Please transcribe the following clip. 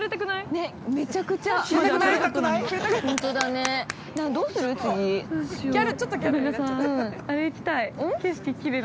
◆ね、めちゃくちゃきれい。